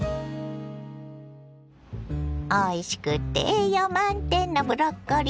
おいしくて栄養満点のブロッコリー！